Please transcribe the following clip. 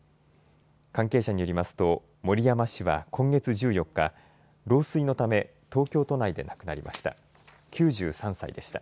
関係者によりますと森山氏は今月１４日、老衰のため東京都内で亡くなりました。